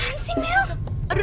gak gak gak